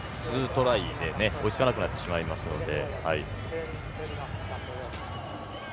２トライでは追いつかなくなってしまうので。